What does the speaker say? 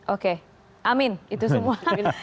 oke amin itu semua